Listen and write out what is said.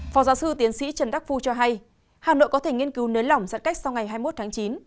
phó giáo sư tiến sĩ trần đắc phu cho hay hà nội có thể nghiên cứu nới lỏng giãn cách sau ngày hai mươi một tháng chín